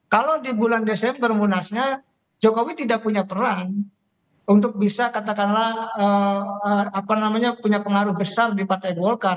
kalau di bulan desember munasnya jokowi tidak punya peran untuk bisa katakanlah punya pengaruh besar di partai golkar